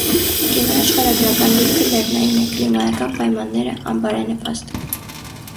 Գյուղի աշխարհագրական դիրքը լեռնային է, կլիմայական պայմանները՝ անբարենպաստ։